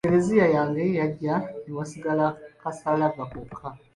Klezia yange yaggya ne wasigala kasalaaba kokka.